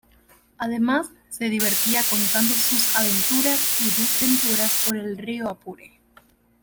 Además se divertía contando sus aventuras y desventuras por el río Apure.